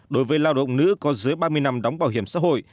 đối với lao động nữ có dưới ba mươi năm đóng bảo hiểm xã hội